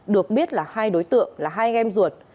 được biết là hai đối tượng là hai em ruột